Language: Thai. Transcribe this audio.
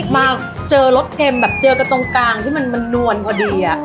มาเจอรสเค็มแบบเจอกันตรงกลางที่มันนวลพอดี